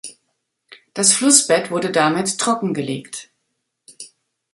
Das Flussbett wurde damit trockengelegt.